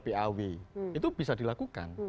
paw itu bisa dilakukan